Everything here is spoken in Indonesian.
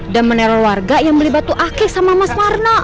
dan menerol warga yang beli batu akik sama mas marmo